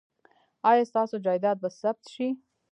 ایا ستاسو جایداد به ثبت شي؟